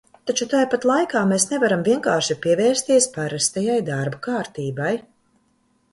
Taču tai pat laikā mēs nevaram vienkārši pievērsties parastajai darba kārtībai.